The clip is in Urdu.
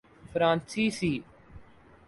فرانسیسی